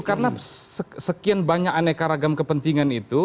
karena sekian banyak aneka ragam kepentingan itu